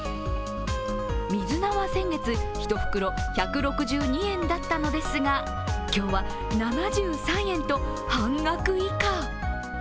水菜は先月１袋１６２円だったのですが、今日は７３円と半額以下。